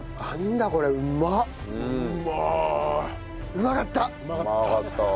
うまかったわ。